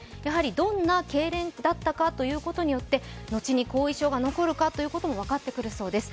どんなけいれんだったかというとによって、後に後遺症が残るかも分かってくるそうです。